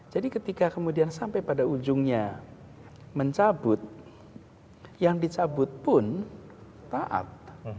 jadi ketika kemudian sampai pada ujungnya mencabut yang dicabut pun taat